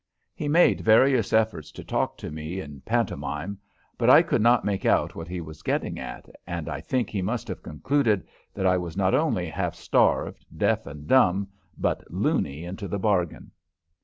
He made various efforts to talk to me in pantomime, but I could not make out what he was getting at, and I think he must have concluded that I was not only half starved, deaf, and dumb, but "luny" into the bargain.